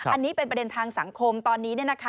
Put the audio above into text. อันนี้เป็นประเด็นทางสังคมตอนนี้